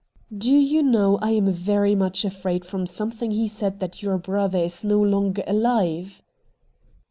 'Do you know I am very much afraid from something he said that your brother is no longer alive